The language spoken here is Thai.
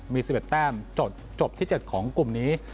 มี๑๑แต้มจบที่๗ของกลุ่มนี้